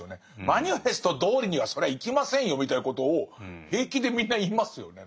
マニフェストどおりにはそりゃいきませんよみたいなことを平気でみんな言いますよね。